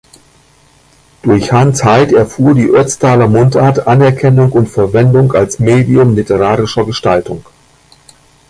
Durch Hans Haid erfuhr die Ötztaler Mundart Anerkennung und Verwendung als Medium literarischer Gestaltung.